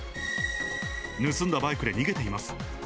盗んだバイクで逃げています。